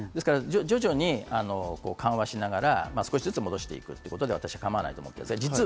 徐々に緩和しながら、少しずつ戻していくということで私は構わないと思ってるんです。